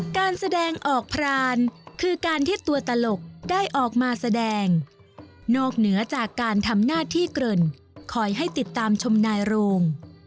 การแสดงออกพรานคือการที่ตัวตลกได้ออกมาแสดงนอกเหนือจากการทำหน้าที่เกินคอยให้ติดตามชมนายโรง